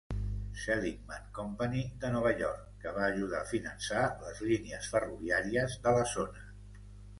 Seligman Company de Nova York, que va ajudar a finançar les línies ferroviàries de la zona.